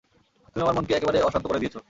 তুমি আমার মনকে একেবারেই অশান্ত করে দিয়েছ।